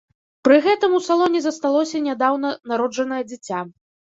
Пры гэтым у салоне засталося нядаўна народжанае дзіця.